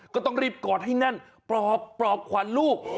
ก็ต้องรีบกอดให้แน่นปลอบปลอบขวัญลูก